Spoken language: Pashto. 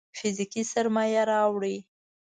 فزيکي سرمايه راوړي.